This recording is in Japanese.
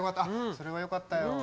それはよかったよ。